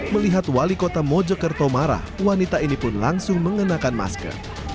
melihat wali kota mojokerto marah wanita ini pun langsung mengenakan masker